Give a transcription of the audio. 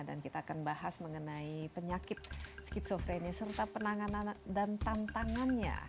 dan kita akan bahas mengenai penyakit skizofrenia serta penanganan dan tantangannya